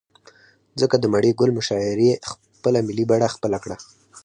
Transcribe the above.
ځكه د مڼې گل مشاعرې خپله ملي بڼه خپله كړه.